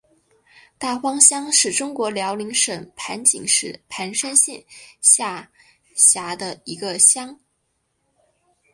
大荒乡是中国辽宁省盘锦市盘山县下辖的一个乡。